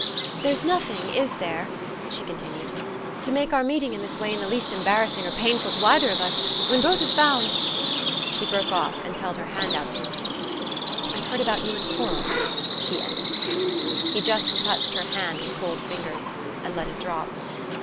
"There's nothing, is there," she continued, "to make our meeting in this way in the least embarrassing or painful to either of us, when both have found...." She broke off, and held her hand out to him. "I've heard about you and Coral," she ended. He just touched her hand with cold fingers, and let it drop.